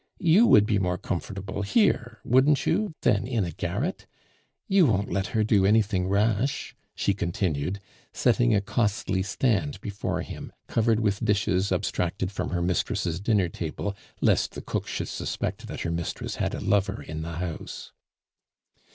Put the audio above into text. "You would be more comfortable here, wouldn't you, than in a garret? You won't let her do anything rash?" she continued, setting a costly stand before him, covered with dishes abstracted from her mistress' dinner table, lest the cook should suspect that her mistress had a lover in the house.